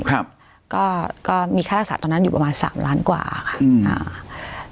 ครับก็ก็มีค่ารักษาตอนนั้นอยู่ประมาณสามล้านกว่าค่ะอืมอ่า